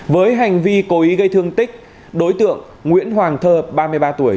với hành vi cố ý gây thương tích đối tượng nguyễn hoàng thơ ba mươi ba tuổi